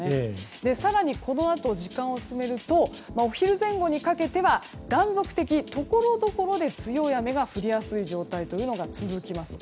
更にこのあと時間を進めるとお昼前後にかけては断続的、ところどころで強い雨が降りやすい状況が続きます。